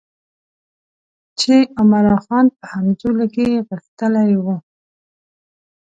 چې عمرا خان په همزولو کې غښتلی وو.